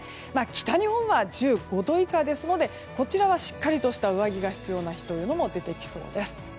北日本は１５度以下ですのでこちらはしっかりとした上着が必要な日も出てきそうですね。